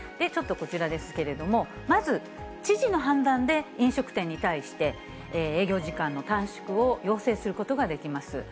ちょっとこちらですけれども、まず知事の判断で飲食店に対して、営業時間の短縮を要請することができます。